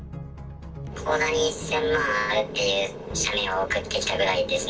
口座に１０００万円あるという写メを送ってきたぐらいですね。